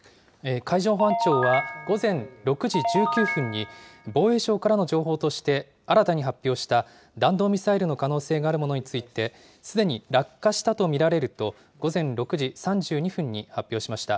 海上保安庁は午前６時１９分に、防衛省からの情報として、新たに発表した弾道ミサイルの可能性があるものについて、すでに落下したと見られると、午前６時３２分に発表しました。